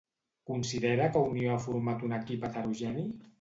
Considera que Unió ha format un equip heterogeni?